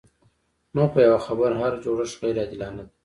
نو په یوه خبره هر جوړښت غیر عادلانه دی.